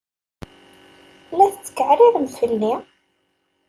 La tetkeɛrirem fell-i?